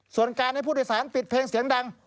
ส่วนการให้ผู้โดยสารปิดเพลงเสียงดัง